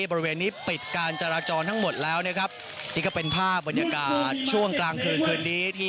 บริเวณนี้ปิดการจราจรทั้งหมดแล้วนะครับนี่ก็เป็นภาพบรรยากาศช่วงกลางคืนคืนนี้ที่